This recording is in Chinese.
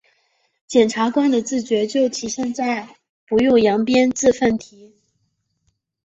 检察机关的自觉就体现在‘不用扬鞭自奋蹄’